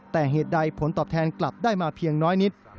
แต่เหตุใดผลตอบแทนกลับได้มาเพียงน้อยนิด